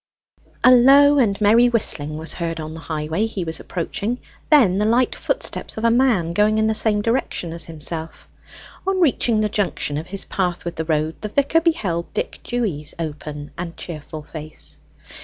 A low and merry whistling was heard on the highway he was approaching, then the light footsteps of a man going in the same direction as himself. On reaching the junction of his path with the road, the vicar beheld Dick Dewy's open and cheerful face.